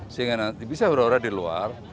sehingga nanti bisa hura hura di luar